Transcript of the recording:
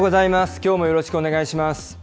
きょうもよろしくお願いします。